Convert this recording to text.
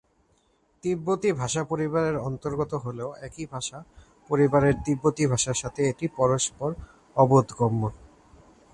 তিব্বতি ভাষা পরিবারের অন্তর্গত হলেও একই ভাষা পরিবারের তিব্বতি ভাষার সাথে এটি পরস্পর-অবোধগম্য।